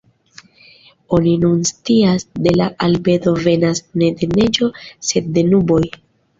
Oni nun scias ke la albedo venas ne de neĝo sed de nuboj.